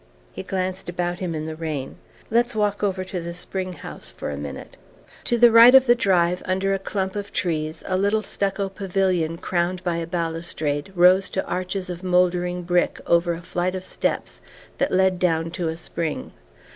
He glanced about him in the rain. "Let's walk over to the spring house for a minute." To the right of the drive, under a clump of trees, a little stucco pavilion crowned by a balustrade rose on arches of mouldering brick over a flight of steps that led down to a spring.